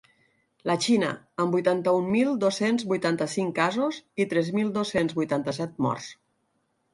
La Xina, amb vuitanta-un mil dos-cents vuitanta-cinc casos i tres mil dos-cents vuitanta-set morts.